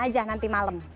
aja nanti malam